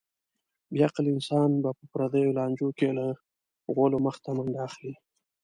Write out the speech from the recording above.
بې عقل انسان به په پردیو لانجو کې له غولو مخته منډه اخلي.